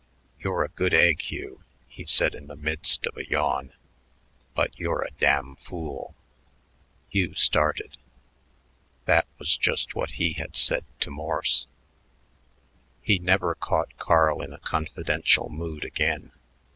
"You're a good egg, Hugh," he said in the midst of a yawn, "but you're a damn fool." Hugh started. That was just what he had said to Morse. He never caught Carl in a confidential mood again.